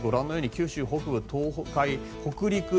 九州北部、東北など北陸